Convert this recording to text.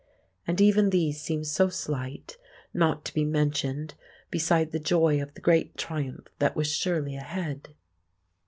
And even these seemed so slight, not to be mentioned beside the joy of the great triumph that was surely ahead.